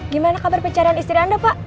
gimana kabar pencarian istri anda pak